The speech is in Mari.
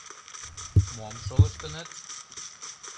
Мом шолыштыныт?